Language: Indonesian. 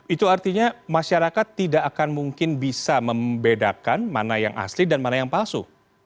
itu artinya masyarakat tidak akan mungkin bisa membedakan mana yang asli dan mana yang palsu